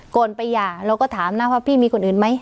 ก่อนไปหย่าเราก็ถามนะว่าพี่มีคนอื่นไหม